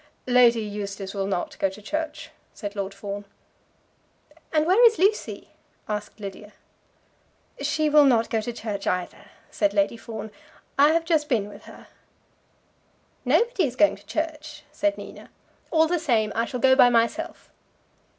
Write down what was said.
"Lady Eustace will not go to church," said Lord Fawn. "And where is Lucy?" asked Lydia. "She will not go to church either," said Lady Fawn. "I have just been with her." "Nobody is going to church," said Nina. "All the same, I shall go by myself."